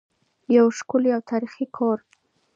یو ښکلی او تاریخي کور.